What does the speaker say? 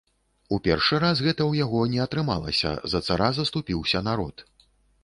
У першы раз гэта ў яго не атрымалася, за цара заступіўся народ.